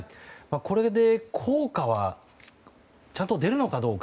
これで効果はちゃんと出るのかどうか。